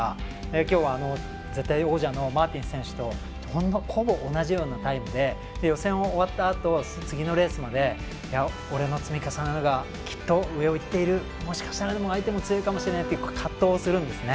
きょうは、絶対王者のマーティン選手とほぼ同じようなタイムで予選終わったあと次のレースまで、積み重ねがきっと、上をいっているもしかしたら、でも相手も強いかもしれないという葛藤をするんですね。